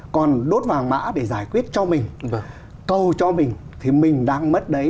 còn đốt vàng mã để giải quyết cho mình cầu cho mình thì mình đang mất đấy